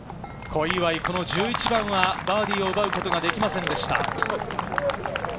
小祝、この１１番はバーディーを奪うことができませんでした。